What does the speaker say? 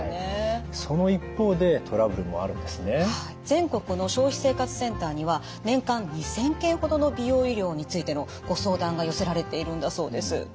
全国の消費生活センターには年間２，０００件ほどの美容医療についてのご相談が寄せられているんだそうです。